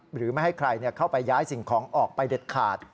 หรือไม่ให้ใครเข้าไปย้ายสิ่งของออกไปเด็ดขาด